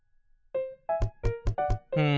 うん。